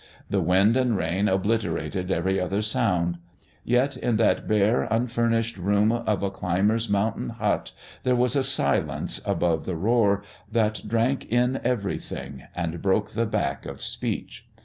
The wind and rain obliterated every other sound; yet in that bare, unfurnished room of a climber's mountain hut, there was a silence, above the roar, that drank in everything and broke the back of speech.